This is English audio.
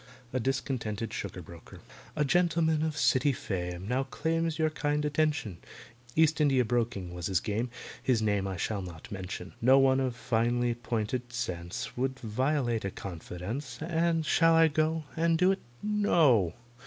A DISCONTENTED SUGAR BROKER A GENTLEMAN of City fame Now claims your kind attention; East India broking was his game, His name I shall not mention: No one of finely pointed sense Would violate a confidence, And shall I go And do it? No!